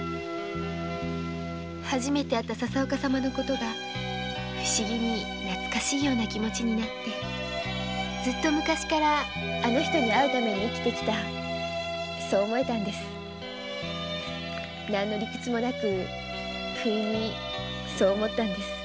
初めて会った佐々岡様の事が不思議に懐かしいような気持ちになって「ずっと前からあの人に会うために生きて来た」何の理屈もなく不意にそう思ったのです。